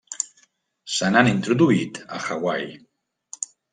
Se n'han introduït a Hawaii.